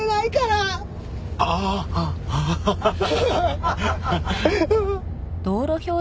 ああアハハハ。